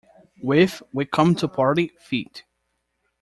With "We Come To Party" feat.